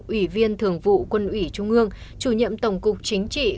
ủy viên thường vụ quân ủy trung ương chủ nhiệm tổng cục chính trị